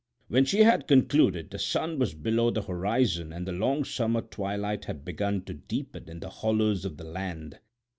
When she had concluded the sun was below the horizon and the long summer twilight had begun to deepen in the hollows of the land.